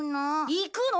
行くの！